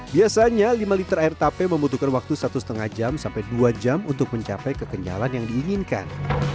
biasanya lima liter air tape membutuhkan waktu satu lima jam sampai dua jam untuk mencapai kekenyalan yang diinginkan